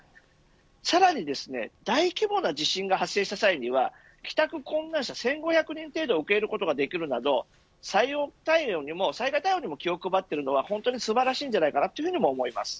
さらに、大規模な地震が発生した際には帰宅困難者を１５００人ほど受け入れることができるなど災害対応にも気を配っているのは素晴らしいと思います。